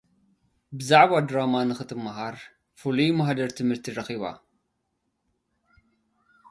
ብዛዕባ ድራማ ንኽትምሃር፡ ፍሉይ ማህደረ-ትምህርቲ ረኺባ።